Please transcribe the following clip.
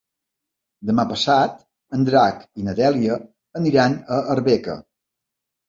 Demà passat en Drac i na Dèlia aniran a Arbeca.